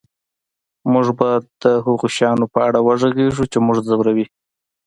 موږ به د هغو شیانو په اړه وغږیږو چې موږ ځوروي